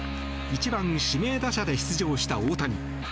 １番指名打者で出場した大谷。